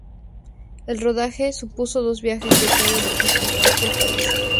El rodaje supuso dos viajes de todo el equipo a aquel país.